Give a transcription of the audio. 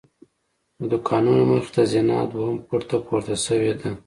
د دوکانونو مخې ته زینه دویم پوړ ته پورته شوې ده.